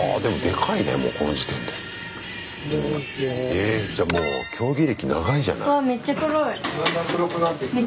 えっじゃあもう競技歴長いじゃない。